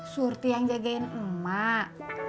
surti yang jagain emak